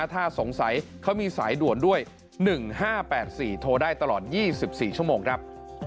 ถ้าสงสัยเขามีสายด่วนด้วย๑๕๘๔โทรได้ตลอด๒๔ชั่วโมงครับ